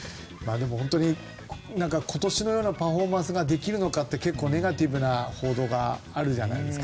でも本当に今年のようなパフォーマンスができるのかって結構ネガティブな報道があるじゃないですか。